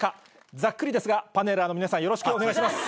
ざっくりですがパネラーの皆さんよろしくお願いします。